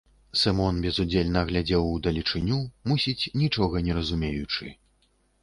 Сымон безудзельна глядзеў удалечыню, мусіць, нічога не разумеючы.